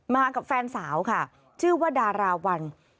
กับแฟนสาวค่ะชื่อว่าดาราวัน